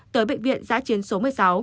tới bệnh viện giãi chiến số một mươi sáu